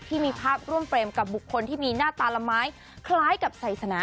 ที่มีภาพร่วมเฟรมกับบุคคลที่มีหน้าตาละไม้คล้ายกับศาสนา